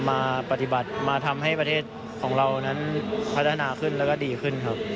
มาปฏิบัติมาทำให้ประเทศของเรานั้นพัฒนาขึ้นแล้วก็ดีขึ้นครับ